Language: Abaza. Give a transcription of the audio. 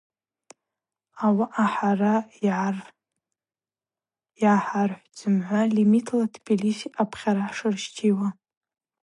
Ауаъа хӏара йгӏахӏархӏвтӏ зымгӏва лимитла Тбилиси апхьара хӏшырщтиуа.